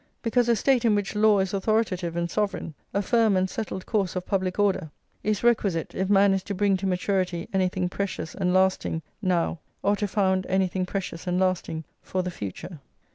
Because a State in which law is authoritative and sovereign, a firm and settled course of public order, is requisite if man is to bring to maturity anything precious and lasting now, or to found anything precious and lasting for the future.